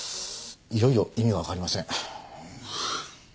いよいよ意味わかりません。